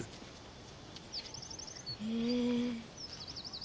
へえ。